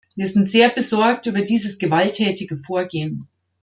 Wir sind sehr besorgt über dieses gewalttätige Vorgehen.